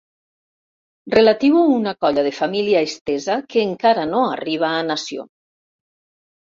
Relatiu a una colla de família estesa que encara no arriba a nació.